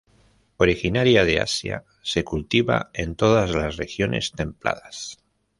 Originaria de Asia, se cultiva en todas las regiones templadas.